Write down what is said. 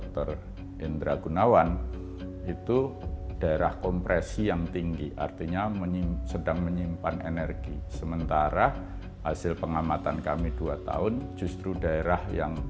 terima kasih terima kasih